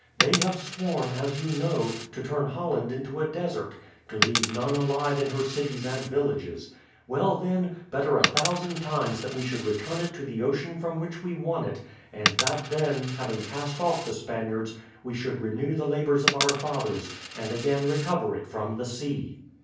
They have sworn, as you know, to turn Holland into a desert to leave none alive in her cities and villages. Well, then; better a thousand times that we should return it to the ocean from which we won it, and that then, having cast out the Spaniards, we should renew the labours of our fathers, and again recover it from the sea."